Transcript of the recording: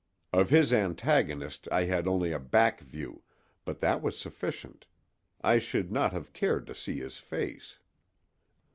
Of his antagonist I had only a back view, but that was sufficient; I should not have cared to see his face.